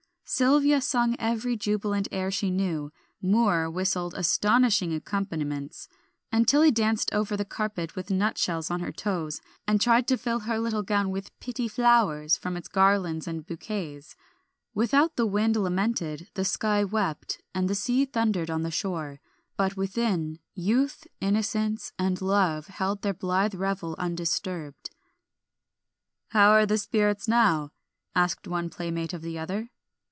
Sylvia sung every jubilant air she knew, Moor whistled astonishing accompaniments, and Tilly danced over the carpet with nut shells on her toes, and tried to fill her little gown with "pitty flowers" from its garlands and bouquets. Without the wind lamented, the sky wept, and the sea thundered on the shore; but within, youth, innocence, and love held their blithe revel undisturbed. "How are the spirits now?" asked one playmate of the other.